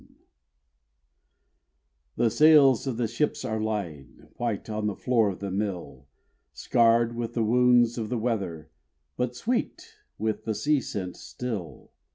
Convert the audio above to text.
_ The sails of the ships are lying, White on the floor of the mill, Scarr'd with the wounds of the weather, But sweet with the sea scent still.